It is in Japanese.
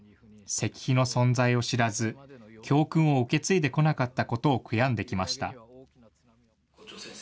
石碑の存在を知らず、教訓を受け継いでこなかったことを悔やんできました。